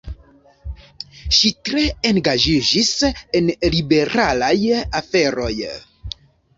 Ŝi tre engaĝiĝis en liberalaj aferoj.